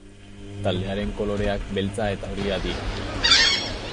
Taldearen koloreak beltza eta horia dira.